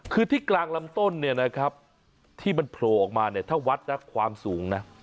คือที่กลางลำต้นเนี่ยนะครับที่มันโผล่ออกมาเนี่ยถ้าวัดนะความสูงนะ